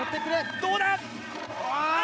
どうだ？